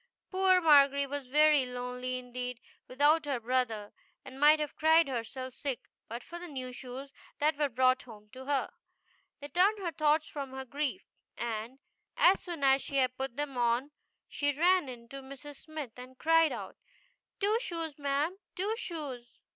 Poor Margery was very lonely indeed, without her brother, and might have cried herself sick but for the new shoes that were brought home to her. They turned her thoughts from her grief; and as soon as GOODY TWO SHOES. she had put them on she ran in to Mrs. Smith and cried out: "Two shoes, ma'am, two shoes!"